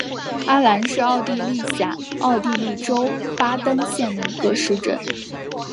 阿兰是奥地利下奥地利州巴登县的一个市镇。